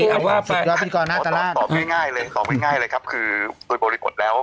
ตอบง่ายเลยครับคือตัวบริบทแล้ว